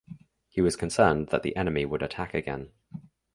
He was concerned that the enemy would attack again.